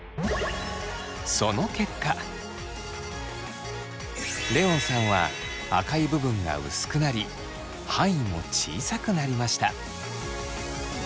その結果レオンさんは赤い部分が薄くなり範囲も小さくなりました。